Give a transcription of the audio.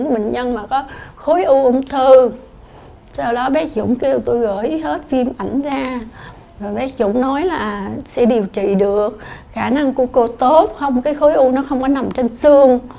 bệnh nhân mà có khối u ung thư sau đó bé dũng kêu tôi gửi hết viêm ảnh ra rồi bé dũng nói là sẽ điều trị được khả năng cung cô tốt không cái khối u nó không có nằm trên xương